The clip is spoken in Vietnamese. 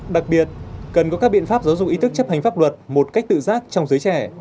đặc biệt cần có các biện pháp giáo dục ý thức chấp hành pháp luật một cách tự giác trong giới trẻ